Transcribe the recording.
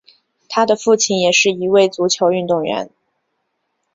他的父亲也是一位足球运动员。